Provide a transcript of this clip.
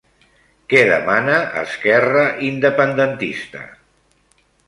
Què demana Esquerra Independentista?